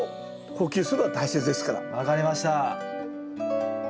分かりました。